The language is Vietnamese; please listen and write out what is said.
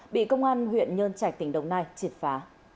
bị công an huyện nhân trạch tỉnh đồng nai triệt phá